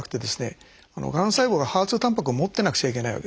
がん細胞がＨＥＲ２タンパクを持ってなくちゃいけないわけですね。